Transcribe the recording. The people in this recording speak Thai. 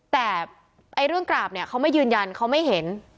แต่เรื่องกราบเนี่ยเขาไม่ยืนยันเขาไม่เห็น